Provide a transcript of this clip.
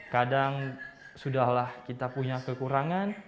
kadang sudah lah kita punya kekurangan